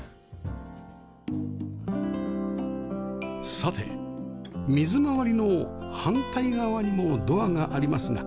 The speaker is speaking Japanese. さて水回りの反対側にもドアがありますが？